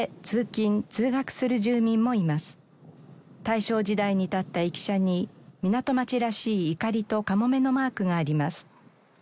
大正時代に建った駅舎に港町らしい錨とカモメのマークがあります。